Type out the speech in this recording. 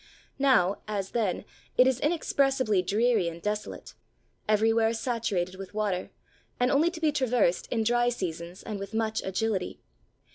Now, as then, it is inexpressibly dreary and desolate; everywhere saturated with water, and only to be traversed in dry seasons and with much agility.